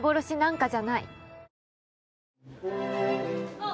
あっ。